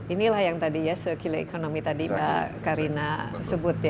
inilah yang tadi ya circular economy tadi mbak karina sebut ya